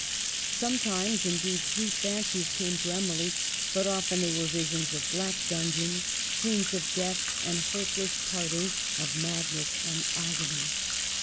Sometimes, indeed, sweet fancies came to Emily, but often they were visions of black dungeons, scenes of death, and hopeless parting, of madness and agony.